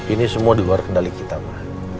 ini semua di luar kendali kita mbak